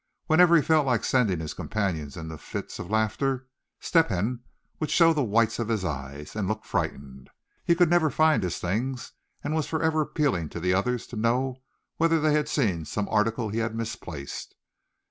Whenever he felt like sending his companions into fits of laughter Step hen would show the whites of his eyes, and look frightened. He could never find his things, and was forever appealing to the others to know whether they had seen some article he had misplaced.